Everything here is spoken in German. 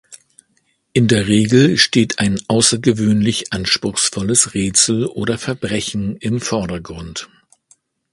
In der Regel steht ein außergewöhnlich anspruchsvolles Rätsel oder Verbrechen im Vordergrund.